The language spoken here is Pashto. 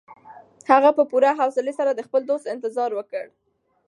هغه په پوره حوصلي سره د خپل دوست انتظار وکړ.